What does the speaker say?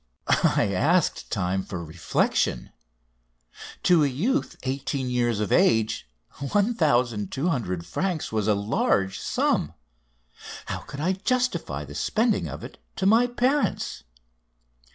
I asked time for reflection. To a youth eighteen years of age 1200 francs was a large sum. How could I justify the spending of it to my parents?